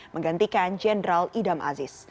menggantikan jenderal idam aziz